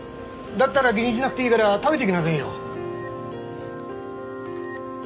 だったら気にしなくていいから食べていきなさいよ。